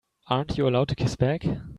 Aren't you allowed to kiss back?